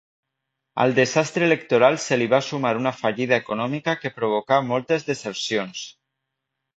Al desastre electoral se li va sumar una fallida econòmica que provocà moltes desercions.